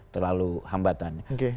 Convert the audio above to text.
terlalu hambatan oke